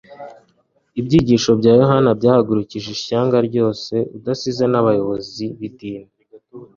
Ibyigisho byaYohana Umubatiza byahagurukije ishyanga ryose, udasize n'abayobozi b'idini.